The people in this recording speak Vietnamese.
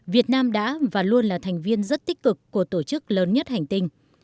việt nam đã và luôn là thành viên rất tích cực của tổ chức lớn nhất hành tinh